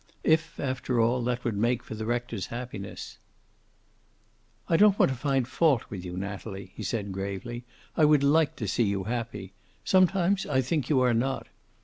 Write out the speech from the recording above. If, after all, that would make for the rector's happiness "I don't want to find fault with you, Natalie," he said gravely. "I would like to see you happy. Sometimes I think you are not.